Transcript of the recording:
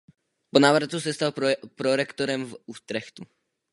Po návratu se stal prorektorem v Utrechtu.